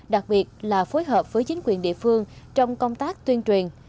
đặc biệt là phối hợp với chính quyền địa phương trong công tác tuyên truyền